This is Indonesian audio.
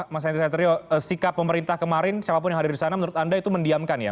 mas henry satrio sikap pemerintah kemarin siapapun yang hadir di sana menurut anda itu mendiamkan ya